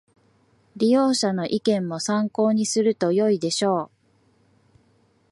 利用者の意見も参考にするとよいでしょう